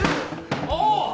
ああ！